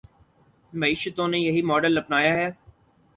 معیشتوں نے یہی ماڈل اپنایا ہے۔